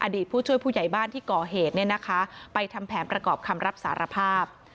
อดีตผู้ช่วยผู้ใหญ่บ้านที่ก่อเหตุไปทำแผนประกอบคำรับสารภาพ